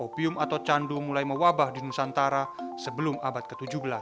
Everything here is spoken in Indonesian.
popium atau candu mulai mewabah di nusantara sebelum abad ke tujuh belas